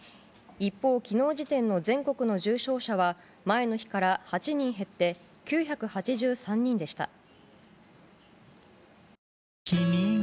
一方、昨日時点の全国の重症者は前の日から８人減って９８３人でした。